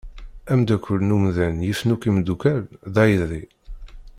Ameddakel n umdan yifen akk imeddukal d aydi.